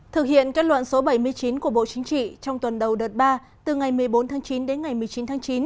thực hiện kết luận số bảy mươi chín của bộ chính trị trong tuần đầu đợt ba từ ngày một mươi bốn tháng chín đến ngày một mươi chín tháng chín